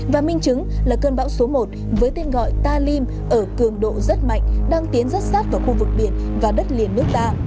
và minh chứng là cơn bão số một với tên gọi ta lim ở cường độ rất mạnh đang tiến rất sát vào khu vực biển và đất liền nước ta